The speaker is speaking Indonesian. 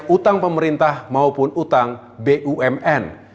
utang pemerintah maupun utang bumn